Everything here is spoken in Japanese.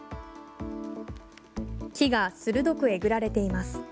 木が鋭くえぐられています。